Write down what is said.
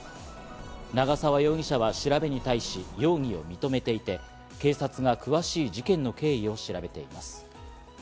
長沢容疑者は調べに対し、容疑を認めていて、警察が詳しい事件の経緯を調べています。